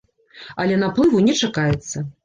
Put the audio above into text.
Але наплыву не чакаецца.